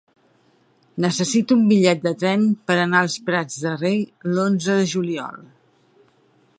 Necessito un bitllet de tren per anar als Prats de Rei l'onze de juliol.